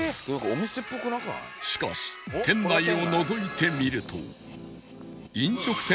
しかし店内をのぞいてみると